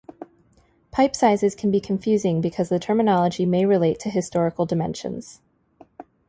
Pipe sizes can be confusing because the terminology may relate to historical dimensions.